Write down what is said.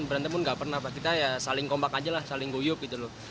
berantem pun nggak pernah pak kita ya saling kompak aja lah saling guyup gitu loh